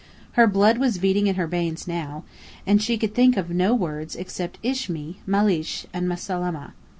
Her blood was beating in her veins now, and she could think of no words except "Imshi!" "Malish!" and "Ma'salama!"